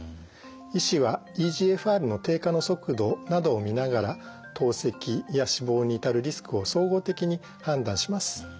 医師はｅＧＦＲの低下の速度などを見ながら透析や死亡に至るリスクを総合的に判断します。